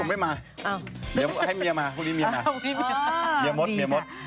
พรุ่งนี้ผมไม่มาให้เมียมาพรุ่งนี้เมียมาเมียมด